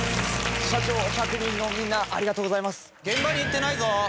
社長１００人のみんなありがとうございます。